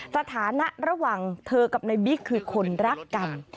สถานะระหว่างเธอกับในบิ๊กคือคนรักกัน